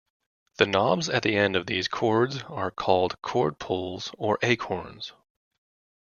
The knobs at the end of these cords are called cord pulls or "acorns".